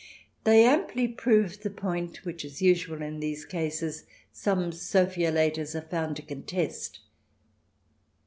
They amply prove the point, which, as usual in these cases, some Sophiolaters are found to contest.